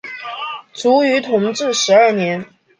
卒于同治十二年。